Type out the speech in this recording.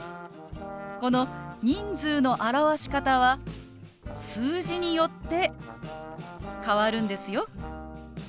この人数の表し方は数字によって変わるんですよ。